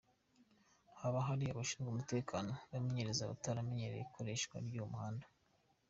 Haba hari abashinzwe umutekano bamenyereza abataramenyera ikoreshwa ry’uwo muhanda.